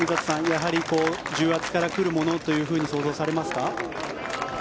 やはり重圧から来るものと想像されますか？